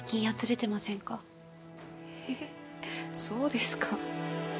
そうですか？